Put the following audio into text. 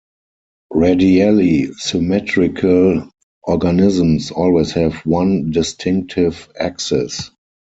Radially symmetrical organisms always have one distinctive axis.